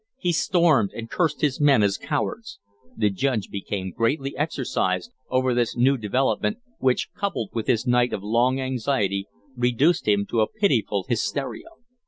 He stormed and cursed his men as cowards. The Judge became greatly exercised over this new development, which, coupled with his night of long anxiety, reduced him to a pitiful hysteria.